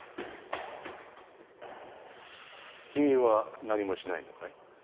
君は何もしないのかい？